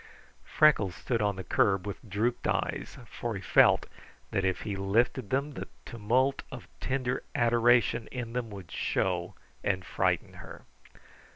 Freckles stood on the curb with drooped eyes, for he felt that if he lifted them the tumult of tender adoration in them would show and frighten her.